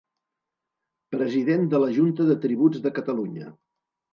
President de la Junta de Tributs de Catalunya.